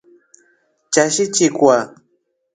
Chashi chikwa.